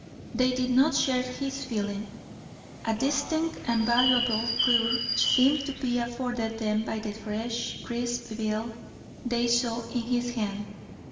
They did not share this feeling. A distinct and valuable clew seemed to be afforded them by the fresh, crisp bill they saw in his hand.